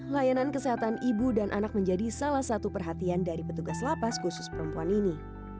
layanan kesehatan ibu dan anak menjadi salah satu perhatian dari petugas lapas khusus perempuan ini